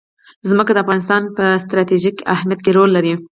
ځمکه د افغانستان په ستراتیژیک اهمیت کې رول لري.